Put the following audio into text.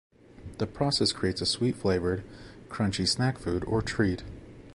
The process creates a sweet flavored, crunchy snack food or treat.